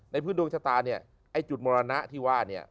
ในพื้นดวงชะตาจุดมรณะที่ว่า